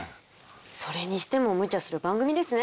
それにしてもむちゃする番組ですね。